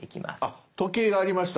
時計がありました。